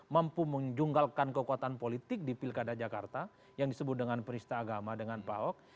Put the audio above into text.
mampu menjunggalkan kekuatan politik di pilkada jakarta yang disebut dengan peristiwa agama dengan pak ahok